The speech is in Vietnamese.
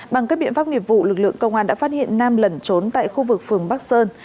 bằng các biện pháp nghiệp vụ lực lượng công an đã phát hiện nam lẩn trốn tại khu vực phường bắc sơn